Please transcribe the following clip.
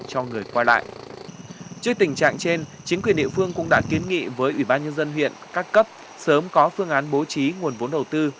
trước tình trạng trên chính quyền địa phương cũng đã kiến nghị với ủy ban nhân dân huyện các cấp sớm có phương án bố trí nguồn vốn đầu tư